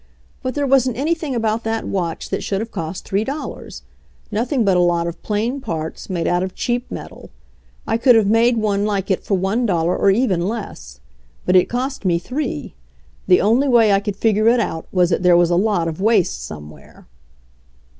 "But there wasn't anything about that watch that should have cost three dollars. Nothing but a lot of plain parts, made out of cheap metal. I could have made one like it for one dollar, or even less. But it cost me three. The only way I could figure it out was that there was a lot of waste somewhere."